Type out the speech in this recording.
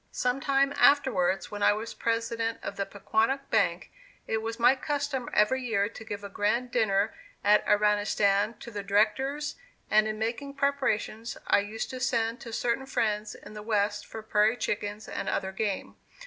Sometime afterwards when I was President of the Pequonnock Bank, it was my custom every year to give a grand dinner at Iranistan to the directors, and in making preparations I used to send to certain friends in the West for prairie chickens and other game.